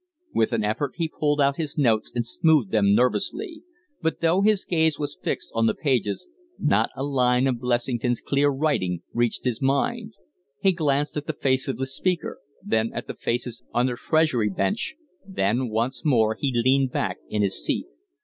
With an effort he pulled out his notes and smoothed them nervously; but though his gaze was fixed on the pages, not a line of Blessington's clear writing reached his mind. He glanced at the face of the Speaker, then at the faces on the Treasury Bench, then once more he leaned back in his seat.